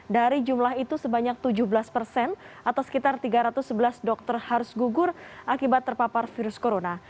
dari jumlah itu sebanyak tujuh belas persen atau sekitar tiga ratus sebelas dokter harus gugur akibat terpapar virus corona